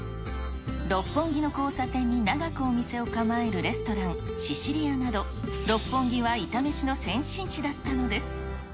六本木の交差点に長くお店を構えるレストラン、シシリアなど、六本木はイタメシの先進地だったのです。